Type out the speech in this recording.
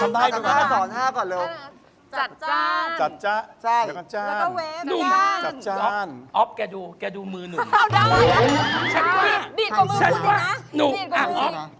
มันพาอาจจะเป็นเรื่องมีน่านะ